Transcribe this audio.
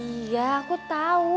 iya aku tahu